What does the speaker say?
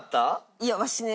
いやわしね